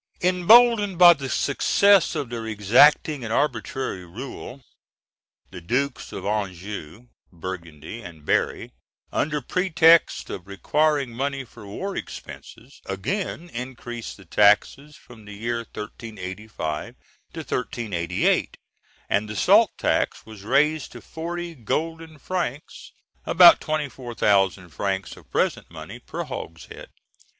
] Emboldened by the success of their exacting and arbitrary rule, the Dukes of Anjou, Burgundy, and Berry, under pretext of requiring money for war expenses, again increased the taxes from the year 1385 to 1388; and the salt tax was raised to forty golden francs, about 24,000 francs of present money, per hogshead.